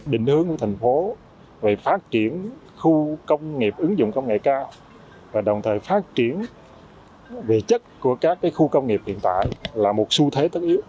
định hướng của thành phố về phát triển khu công nghiệp ứng dụng công nghệ cao và đồng thời phát triển về chất của các khu công nghiệp hiện tại là một xu thế tất yếu